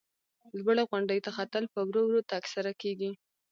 لوړې غونډۍ ته ختل په ورو ورو تگ سره کیږي.